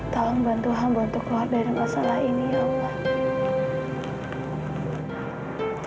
tolong bantu hamba untuk keluar dari masalah ini ya allah